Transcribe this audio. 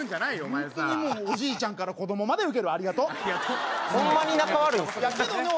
ホントにもうおじいちゃんから子供までウケるありがとうけどね